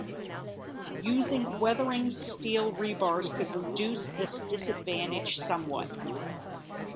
Using weathering steel rebars could reduce this disadvantage somewhat.